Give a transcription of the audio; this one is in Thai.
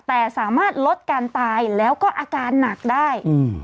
แต่สามารถลดการตายแล้วก็อาการหนักได้อืม